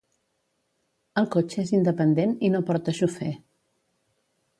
El cotxe és independent i no porta xofer